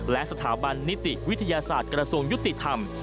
และสถาบันนิติวิทยาศาสตร์กระทรวงยุติธรรม